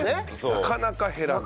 なかなか減らない。